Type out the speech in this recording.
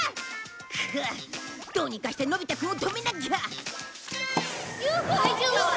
くっどうにかしてのび太くんを止めなきゃ！